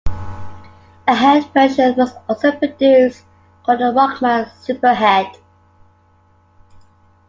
A head version was also produced, called the Rockman Superhead.